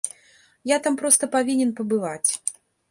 Я там проста павінен пабываць.